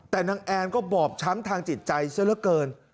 แต่นางแอนก็บอบช้ำทางจิตใจซะละเกิน